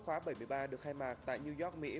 khóa bảy mươi ba được khai mạc tại new york mỹ